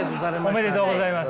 おめでとうございます。